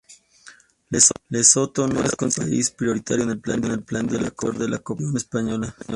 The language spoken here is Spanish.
Lesoto no es considerado país prioritario en el Plan Director de la cooperación española.